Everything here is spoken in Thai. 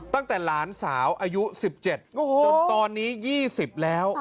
ตั้งแต่หลานสาวอายุ๑๗จนตอนนี้๒๐แล้ว